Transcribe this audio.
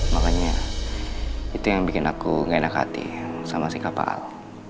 makanya itu yang bikin aku enggak enak hati sama sikap pak al